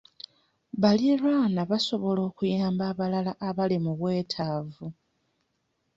Baliraanwa basobola okuyamba abalala abali mu bwetaavu.